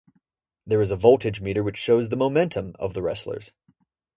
There is a voltage meter which shows the momentum of the wrestlers.